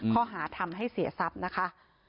ข้อหาทำให้เสียทรัพย์นะคะ